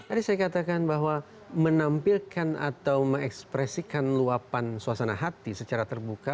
jadi saya katakan bahwa menampilkan atau mengekspresikan luapan suasana hati secara terbuka